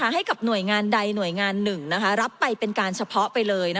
ให้กับหน่วยงานใดหน่วยงานหนึ่งรับไปเป็นการเฉพาะไปเลย